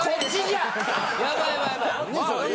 やばい。